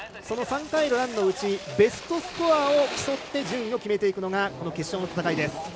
その３回のランのうちベストスコアを競って順位を決めていくのがこの決勝の戦いです。